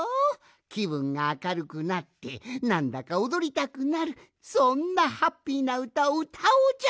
きぶんがあかるくなってなんだかおどりたくなるそんなハッピーなうたをうたおうじゃないか！